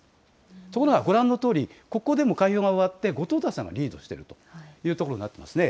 ところがご覧のとおり、ここでも開票が終わって、後藤田さんがリードしているという所になっていますね。